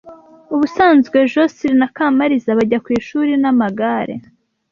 Ubusanzwe Josehl na Kamariza bajya ku ishuri n'amagare.